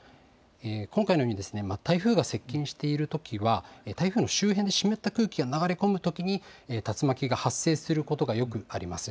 今回のように台風が接近しているときは、台風の周辺、湿った空気が流れ込むときに、竜巻が発生することがよくあります。